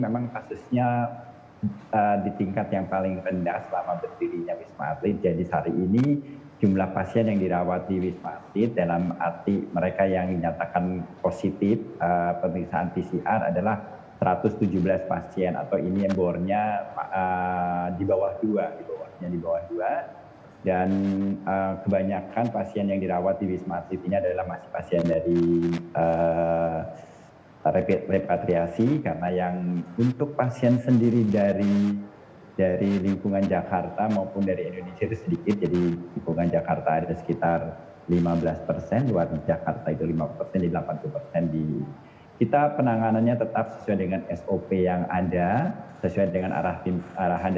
boleh kita beracara tapi berkumpul kumpul tidak boleh